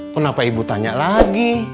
kenapa ibu tanya lagi